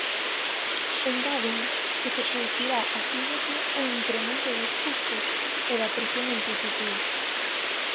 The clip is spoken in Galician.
Engaden que se producirá así mesmo un incremento dos custos e da presión impositiva.